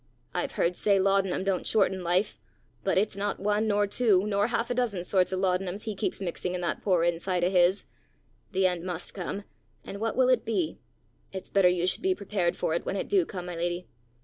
I've heard say laudanum don't shorten life; but it's not one nor two, nor half a dozen sorts o' laudanums he keeps mixing in that poor inside o' his! The end must come, and what will it be? It's better you should be prepared for it when it do come, my lady.